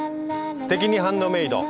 「すてきにハンドメイド」